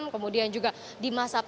kemudian juga di masa pandemi